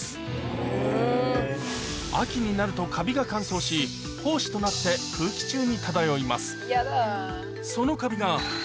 秋になるとカビが乾燥し胞子となって空気中に漂います